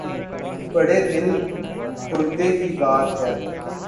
بڑے دل گردے کی بات ہے۔